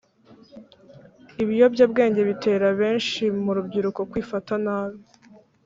ibiyobyabwenge bitera benshi mu rubyiruko kwifata nabi